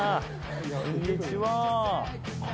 こんにちは。